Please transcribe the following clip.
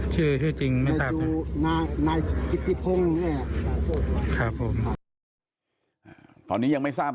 ชื่อชื่อจริงไม่ตามในจูนายนายนี่ครับผมตอนนี้ยังไม่ทราบ